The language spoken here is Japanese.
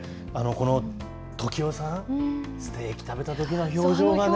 この時央さん、ステーキ食べたときの表情がね。